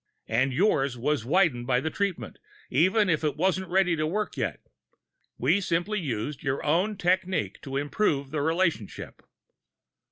And yours was widened by the treatment, even if it wasn't ready to work yet. We simply used your own technique to improve the relationship.